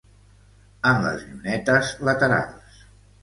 En les llunetes laterals.